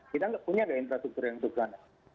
kita tidak punya infrastruktur yang bergerak